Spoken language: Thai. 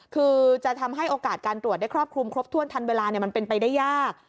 คือจะทำให้โอกาสการตรวจได้ครอบคลุมครบถ้วนทันเวลามันเป็นไปได้ยาก